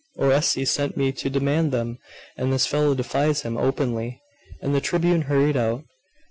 Orestes sent me to demand them: and this fellow defies him openly!' And the tribune hurried out.